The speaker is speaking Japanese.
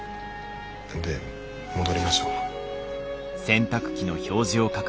で戻りましょう。